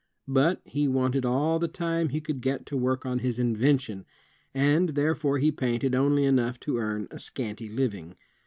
But he wanted all the time he could get to work on his invention, and there fore he painted only enough to earn a scanty living.